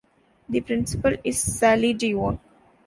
The Principal is Sali Devon.